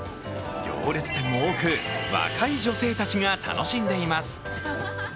行列店も多く、若い女性たちが楽しんでいます。